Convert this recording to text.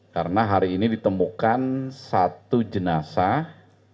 karena hari ini ditemukan satu jenazah